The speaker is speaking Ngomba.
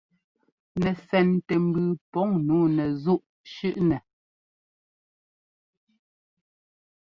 Nɛsɛntɛmbʉʉ pɔŋ nǔu nɛzúꞌ shʉ́ꞌnɛ.